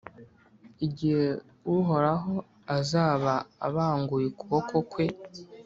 Igihe Uhoraho azaba abanguye ukuboko kwe,